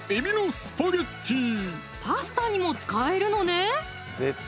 パスタにも使えるのね